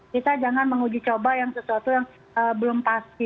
kita jangan menguji coba yang sesuatu yang belum pasti